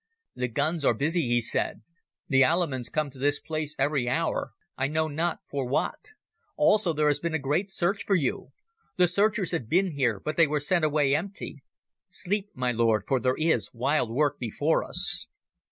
"The guns are busy," he said. "The Allemans come to this place every hour, I know not for what. Also there has been a great search for you. The searchers have been here, but they were sent away empty.... Sleep, my lord, for there is wild work before us."